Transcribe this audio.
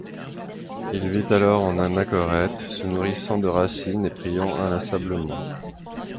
Il vit alors en anachorète, se nourrissant de racines et priant inlassablement.